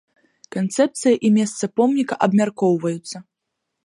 Канцэпцыя і месца помніка абмяркоўваюцца.